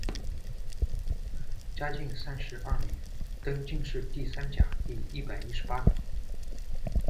嘉靖三十二年，登进士第三甲第一百一十八名。